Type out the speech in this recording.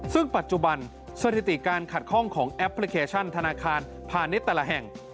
ซึ่งปัจจุบันสถิติการขัดข้องของแอปพลิเคชันธนาคารพาณิชย์แต่ละแห่ง